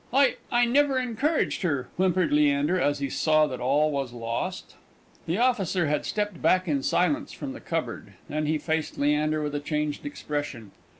"I I never encouraged her!" whimpered Leander, as he saw that all was lost. The officer had stepped back in silence from the cupboard; then he faced Leander, with a changed expression.